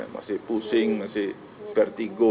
masih pusing masih vertigo